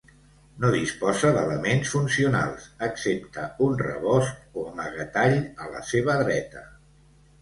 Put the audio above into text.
No disposa d'elements funcionals, excepte un rebost o amagatall a la seva dreta.